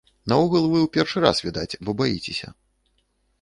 Наогул, вы ў першы раз, відаць, бо баіцеся.